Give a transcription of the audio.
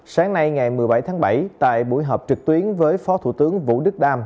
sáng nay ngày một mươi bảy tháng bảy tại buổi họp trực tuyến với phó thủ tướng vũ đức đam